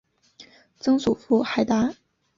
曾祖父海达。